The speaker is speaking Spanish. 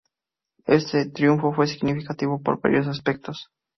Este triunfo fue significativo por varios aspectos.